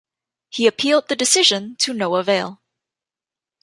He appealed the decision to no avail.